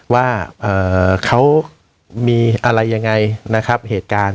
ว่าเขามีอะไรยังไงนะครับเหตุการณ์